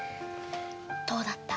「どうだった？」